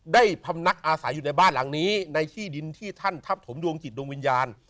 พำนักอาศัยอยู่ในบ้านหลังนี้ในที่ดินที่ท่านทับถมดวงจิตดวงวิญญาณ